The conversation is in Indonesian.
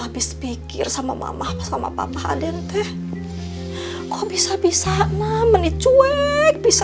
begitu selesai saya kirim ya